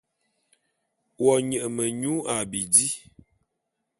Wo nye menyu a bidi.